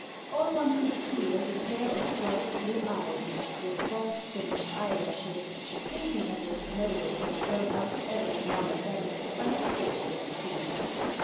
All one could see was a pair of bright blue eyes with frost fringed eyelashes, blinking at the snow that was thrown up every now and then by his horse's feet.